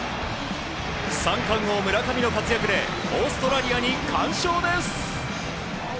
三冠王・村上の活躍でオーストラリアに完勝です！